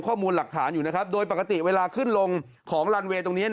ข้อมูลหลักฐานอยู่นะครับโดยปกติเวลาขึ้นลงของลันเวย์ตรงนี้